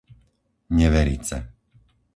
Neverice